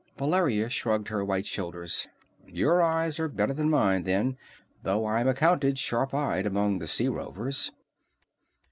Valeria shrugged her white shoulders. "Your eyes are better than mine, then, though I'm accounted sharp eyed among the sea rovers."